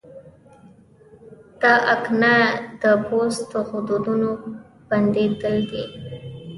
د اکنه د پوست غدودونو بندېدل دي.